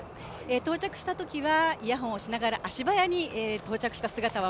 到着したときはイヤフォンをしながら足早に到着した姿は